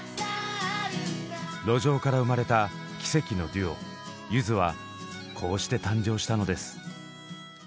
路上から生まれた奇跡のデュオ「ゆず」はこうして誕生したのです。